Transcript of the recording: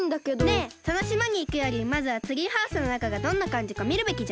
ねえそのしまにいくよりまずはツリーハウスのなかがどんなかんじかみるべきじゃない？